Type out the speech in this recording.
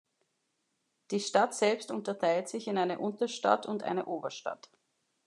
Die Stadt selbst unterteilt sich in eine Unterstadt und eine Oberstadt.